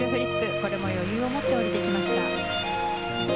これも余裕をもって降りていきました。